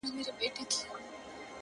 او ښه په ډاگه درته وايمه چي-